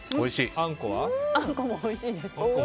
あんこもおいしいです。